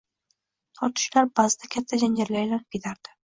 Tortishuvlar baʼzida katta janjalga aylanib ketardi